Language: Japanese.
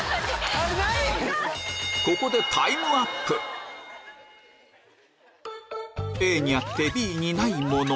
ここでＡにあってＢにないもの